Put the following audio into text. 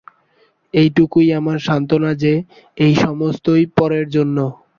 এইটুকুই আমার সান্ত্বনা যে, এই সমস্তই পরের জন্য।